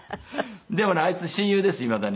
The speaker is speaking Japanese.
「でもねあいつ親友ですいまだに」